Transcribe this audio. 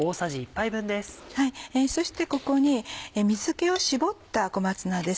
そしてここに水気を絞った小松菜です。